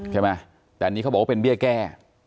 ใช่ไหมแต่อันนี้เขาบอกว่าเป็นเบี้ยแก้